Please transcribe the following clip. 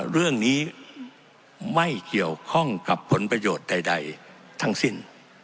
เรื่องนี้ไม่เกี่ยวข้องกับผลประโยชน์ใดทั้งสิ้น